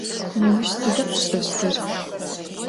Nêuş sıda pş'eştır?